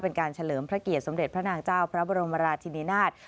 เป็นการเฉลิมพระเกียรติสมเด็จพระนางเจ้าพระบรมราชินินาศ